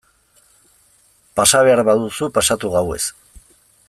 Pasa behar baduzu pasatu gauez...